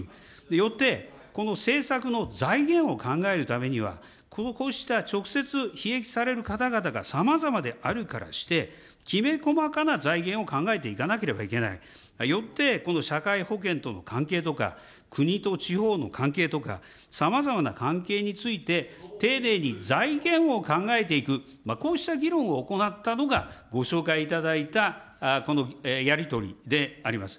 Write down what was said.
よって、この政策の財源を考えるためには、こうした直接ひ益される方々がさまざまであるからして、きめ細かな財源を考えていかなければならない、よってこの社会保険との関係とか、国と地方の関係とか、さまざまな関係について、丁寧に財源を考えていく、こうした議論を行ったのが、ご紹介いただいたこのやり取りであります。